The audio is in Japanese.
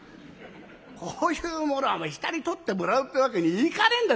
こういうものは下に取ってもらうってわけにいかねえんだぞ